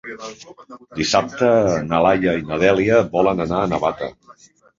Dissabte na Laia i na Dèlia volen anar a Navata.